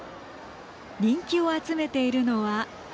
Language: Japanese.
人気を集めているのは。